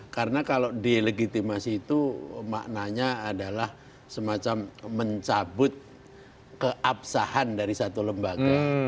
karena kalau delegitimasi itu maknanya adalah semacam mencabut keabsahan dari satu lembaga